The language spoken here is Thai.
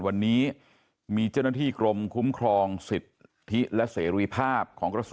วันนี้มีเจ้าหน้าที่กรมคุ้มครองสิทธิและเสรรูพาพ